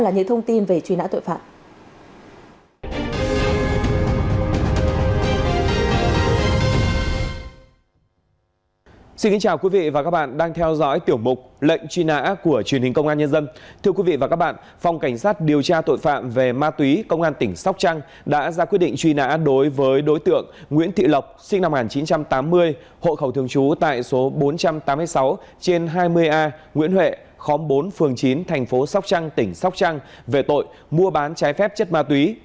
nguyễn thị lộc sinh năm một nghìn chín trăm tám mươi hộ khẩu thường trú tại số bốn trăm tám mươi sáu trên hai mươi a nguyễn huệ khóm bốn phường chín thành phố sóc trăng tỉnh sóc trăng về tội mua bán trái phép chất ma túy